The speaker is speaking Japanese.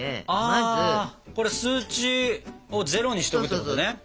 あこれ数値をゼロにしておくってことね。